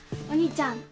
お兄ちゃん。